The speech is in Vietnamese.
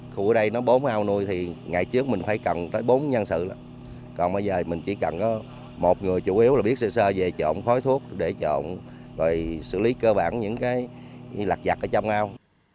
khu ở đây nó bốn ao nuôi thì ngày trước mình phải cần tới bốn nhân sự đó còn bây giờ mình chỉ cần có một người chủ yếu là biết sơ sơ về trộn khói thuốc để trộn rồi xử lý cơ bản những cái lặt giặt ở trong ao